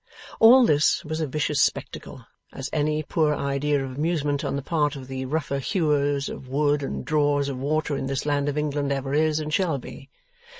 All this was a vicious spectacle as any poor idea of amusement on the part of the rougher hewers of wood and drawers of water in this land of England ever is and shall be.